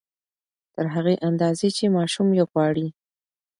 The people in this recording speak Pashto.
تر هغې اندازې چې ماشوم يې غواړي